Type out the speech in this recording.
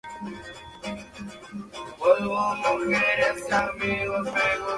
Sin contar la mucha que ya les da la serie de televisión